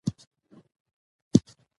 چنګلونه د افغانستان د ځمکې د جوړښت نښه ده.